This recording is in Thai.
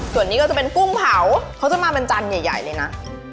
ส่วนนี้ก็จะเป็นกุ้งเผาเขาจะมาเป็นจานใหญ่เลยนะ